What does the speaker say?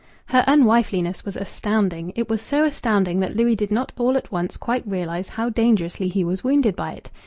Her unwifeliness was astounding; it was so astounding that Louis did not all at once quite realize how dangerously he was wounded by it.